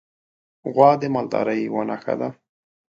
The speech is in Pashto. غوا د مالدارۍ یوه نښه ده.